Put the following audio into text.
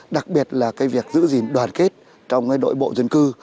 đặc biệt là việc giữ gìn đoàn kết trong nội bộ dân cư